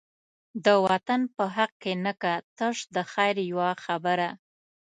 د وطن په حق کی نه کا، تش د خیر یوه خبره